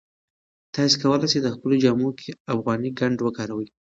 تاسي کولای شئ په خپلو جامو کې افغاني ګنډ وکاروئ.